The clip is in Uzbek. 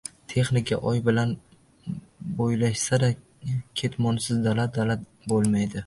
Texnika oy bilan bo‘ylashsa-da, ketmonsiz dala — dala bo‘lmaydi.